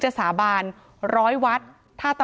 การแก้เคล็ดบางอย่างแค่นั้นเอง